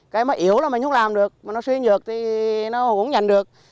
cây mà yếu là mình không làm được mà nó suy nhược thì nó cũng nhận được